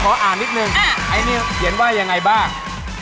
อ่านนิดนึงไอ้นี่เขียนว่ายังไงบ้าง